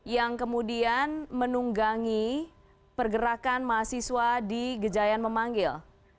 yang kemudian menunggangi pergerakan mahasiswa di gejayan memanggil